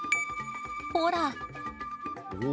ほら。